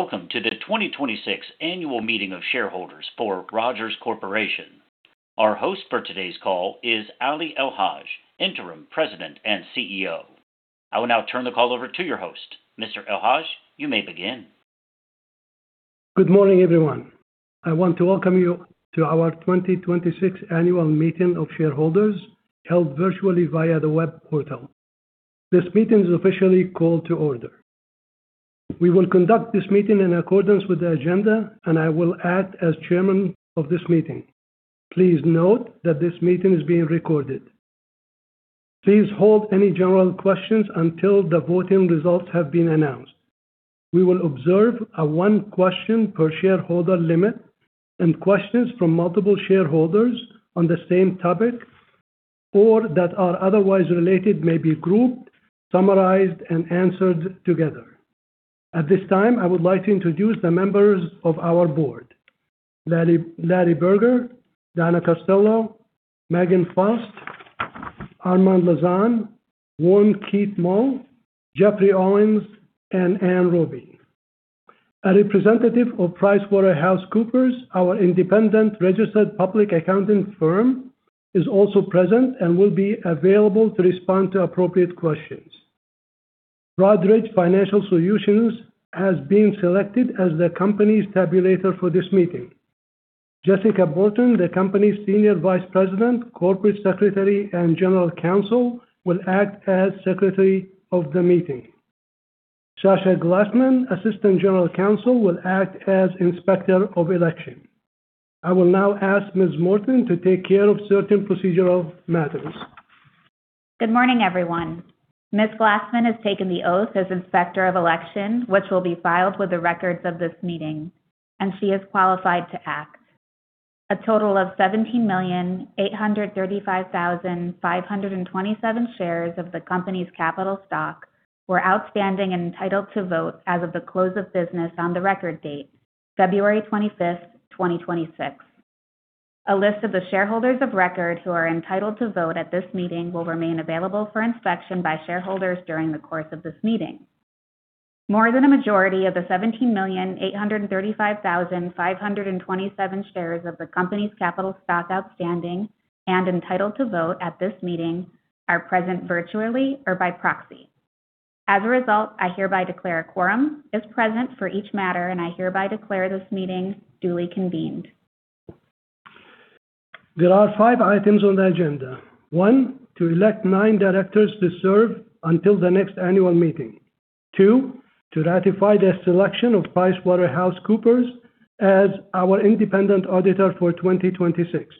Welcome to the 2026 annual meeting of shareholders for Rogers Corporation. Our host for today's call is Ali El-Haj, Interim President and CEO. I will now turn the call over to your host. Mr. El-Haj, you may begin. Good morning, everyone. I want to welcome you to our 2026 annual meeting of shareholders, held virtually via the web portal. This meeting is officially called to order. We will conduct this meeting in accordance with the agenda, and I will act as chairman of this meeting. Please note that this meeting is being recorded. Please hold any general questions until the voting results have been announced. We will observe a one question per shareholder limit and questions from multiple shareholders on the same topic or that are otherwise related may be grouped, summarized, and answered together. At this time, I would like to introduce the members of our board. Larry Berger, Donna M. Costello, Megan Faust, Armand Lauzon, Woon Keat Moh, Jeffrey Owens, and Anne Roby. A representative of PricewaterhouseCoopers, our independent registered public accounting firm, is also present and will be available to respond to appropriate questions. Broadridge Financial Solutions has been selected as the company's tabulator for this meeting. Jessica Morton, the company's Senior Vice President, Corporate Secretary and General Counsel, will act as Secretary of the Meeting. Sasha Glassman, Assistant General Counsel, will act as Inspector of Election. I will now ask Ms. Morton to take care of certain procedural matters. Good morning, everyone. Ms. Glassman has taken the oath as inspector of election, which will be filed with the records of this meeting, and she is qualified to act. A total of 17,835,527 shares of the company's capital stock were outstanding and entitled to vote as of the close of business on the record date, February 25, 2026. A list of the shareholders of record who are entitled to vote at this meeting will remain available for inspection by shareholders during the course of this meeting. More than a majority of the 17,835,527 shares of the company's capital stock outstanding and entitled to vote at this meeting are present virtually or by proxy. As a result, I hereby declare a quorum is present for each matter, and I hereby declare this meeting duly convened. There are five items on the agenda. One, to elect nine directors to serve until the next annual meeting. Two, to ratify the selection of PricewaterhouseCoopers as our independent auditor for 2026.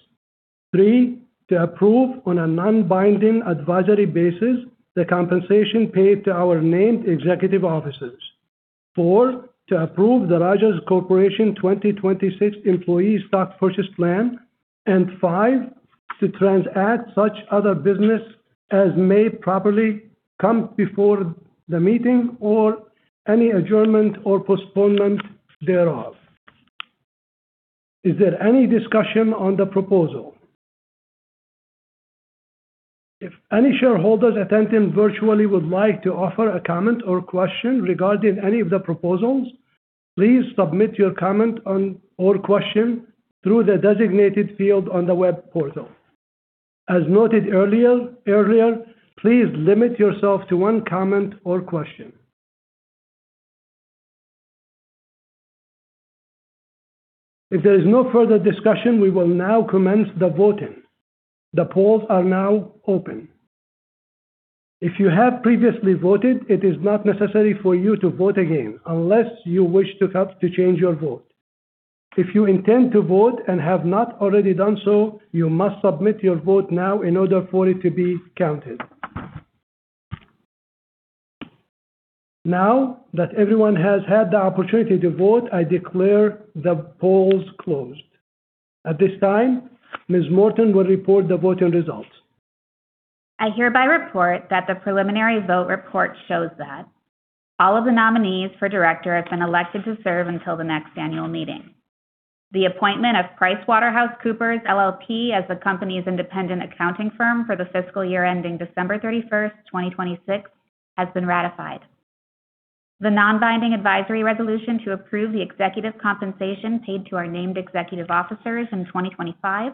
Three, to approve on a non-binding advisory basis the compensation paid to our named executive officers. Four, to approve the Rogers Corporation 2026 Employee Stock Purchase Plan. Five, to transact such other business as may properly come before the meeting or any adjournment or postponement thereof. Is there any discussion on the proposal? If any shareholders attending virtually would like to offer a comment or question regarding any of the proposals, please submit your comment on or question through the designated field on the web portal. As noted earlier, please limit yourself to one comment or question. If there is no further discussion, we will now commence the voting. The polls are now open. If you have previously voted, it is not necessary for you to vote again unless you wish to change your vote. If you intend to vote and have not already done so, you must submit your vote now in order for it to be counted. Now that everyone has had the opportunity to vote, I declare the polls closed. At this time, Ms. Morton will report the voting results. I hereby report that the preliminary vote report shows that all of the nominees for director have been elected to serve until the next annual meeting. The appointment of PricewaterhouseCoopers LLP as the company's independent accounting firm for the fiscal year ending December 31st, 2026, has been ratified. The non-binding advisory resolution to approve the executive compensation paid to our named executive officers in 2025,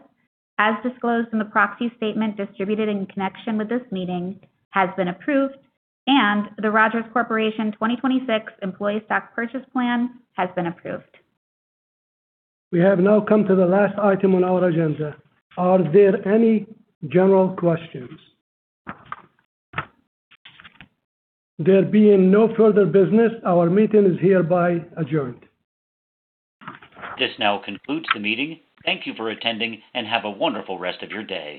as disclosed in the proxy statement distributed in connection with this meeting, has been approved, and the Rogers Corporation 2026 Employee Stock Purchase Plan has been approved. We have now come to the last item on our agenda. Are there any general questions? There being no further business, our meeting is hereby adjourned. This now concludes the meeting. Thank you for attending and have a wonderful rest of your day.